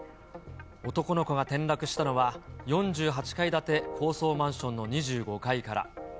男の子が転落したのは、４８階建て高層マンションの２５階から。